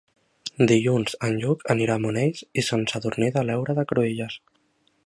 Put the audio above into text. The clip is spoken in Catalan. Dilluns en Lluc anirà a Monells i Sant Sadurní de l'Heura Cruïlles.